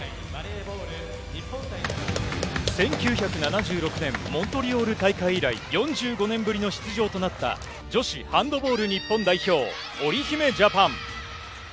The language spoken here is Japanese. １９７６年、モントリオール大会以来４５年ぶりの出場となった、女子ハンドボール日本代表、おりひめジャパン。